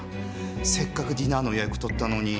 せっかくディナーの予約取ったのに。